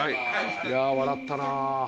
いや笑ったな。